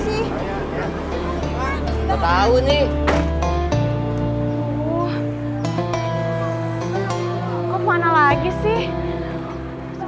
iya aku mahasiswa disini